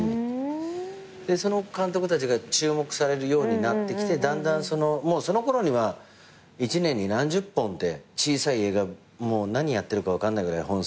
でその監督たちが注目されるようになってきてだんだんもうそのころには１年に何十本って小さい映画何やってるか分かんないぐらい本数やってて。